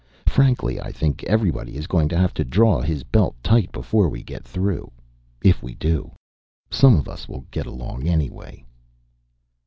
Frankly, I think everybody is going to have to draw his belt tight before we get through if we do. Some of us will get along, anyway."